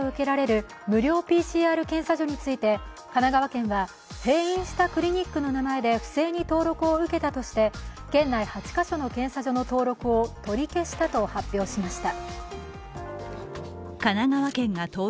自治体の補助で無料で検査を受けられる無料ＰＣＲ検査所について神奈川県は閉院したクリニックの名前で不正に登録を受けたとして県内８カ所の検査所の登録を取り消したと発表しました。